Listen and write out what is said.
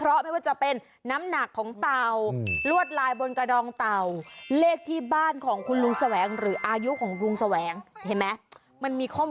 อายุของเจ้าของบ้านไว้คอ